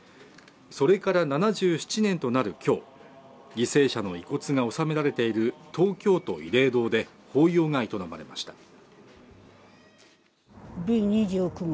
それから７７年となるきょう犠牲者の遺骨が納められている東京都慰霊堂で法要が営まれました